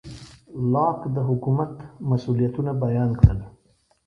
لاک د حکومت مسوولیتونه بیان کړل.